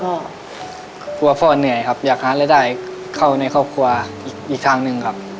เพราะว่าพ่อเหนื่อยครับอยากหาได้เข้าในครอบครัวอีกครั้งนึงครับ